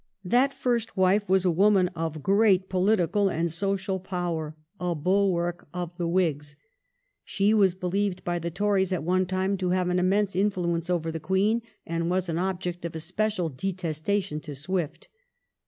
That first wife was a woman of great political and social power, a bulwark of the Whigs. 1714 THE DUKE OF SOMERSET. 359 She was believed by the Tories at one time to have an immense influence over the Qu'een, and was an object of especial detestation to Swift.